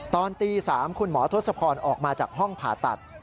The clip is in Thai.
ตอนตี๓คุณหมอทศพรออกมาจากห้องผ่าตัด